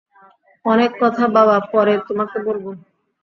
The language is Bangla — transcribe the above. অনেক কথা বাবা পরে তোমাকে বলব।